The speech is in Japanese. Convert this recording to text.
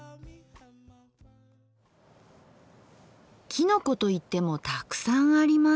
きのこといってもたくさんあります。